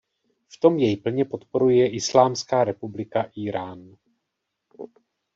V tom jej plně podporuje Islámská republika Írán.